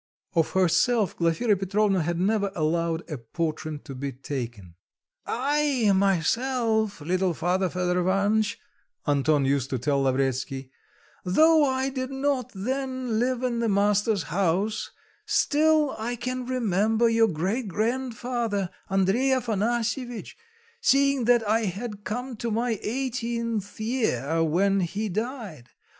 Of herself, Glafira Petrovna had never allowed a portrait to be taken. "I, myself, little father, Fedor Ivanitch," Anton used to tell Lavretsky, "though I did not then live in the master's house, still I can remember your great grandfather, Andrey Afanasyevitch, seeing that I had come to my eighteenth year when he died.